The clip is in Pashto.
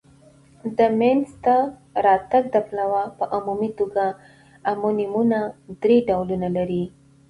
د مینځ ته راتګ د پلوه په عمومي توګه امونیمونه درې ډولونه لري.